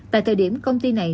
tại thời điểm công ty này